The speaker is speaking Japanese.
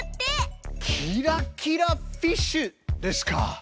キラキラフィッシュですか。